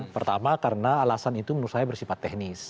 pertama karena alasan itu menurut saya bersifat teknis